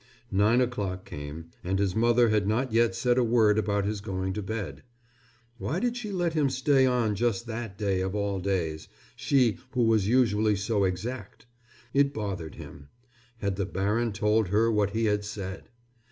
Nine o'clock came, and his mother had not yet said a word about his going to bed. Why did she let him stay on just that day of all days, she who was usually so exact? It bothered him. Had the baron told her what he had said!